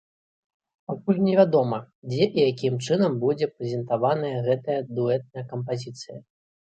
Пакуль невядома, дзе і якім чынам будзе прэзентаваная гэтая дуэтная кампазіцыя.